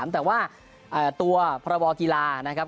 แต่ว่าตัวพรบกีฬานะครับ